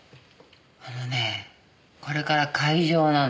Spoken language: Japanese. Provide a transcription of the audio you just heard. あのねこれから開場なの。